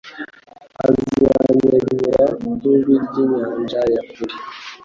Azanyeganyega nk'ijwi ry'inyanja ya kure